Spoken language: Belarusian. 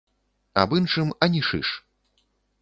Аб іншым ані шыш!